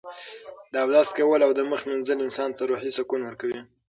د اودس کول او د مخ مینځل انسان ته روحي سکون ورکوي.